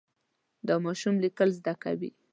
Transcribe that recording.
دا ماشوم لیکل زده کوي.